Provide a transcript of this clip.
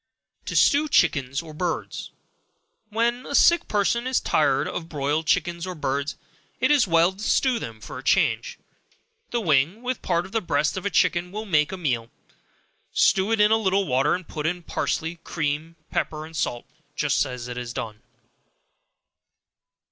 To Stew Chickens or Birds. When sick persons are tired of broiled chickens, or birds, it is well to stew them for a change; the wing, with part of the breast of a chicken, will make a meal; stew it in a little water, and put in parsley, cream, pepper and salt, just as it is done.